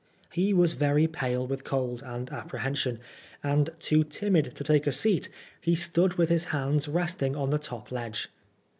He was very pale with cold and apprehension, and too timid to take a seat, he stood with his hands resting on the top ledge.